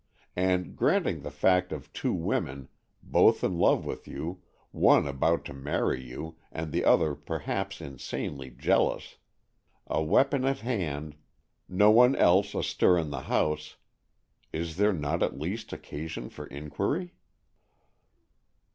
And granting the fact of two women, both in love with you, one about to marry you, and the other perhaps insanely jealous; a weapon at hand, no one else astir in the house—is there not at least occasion for inquiry?"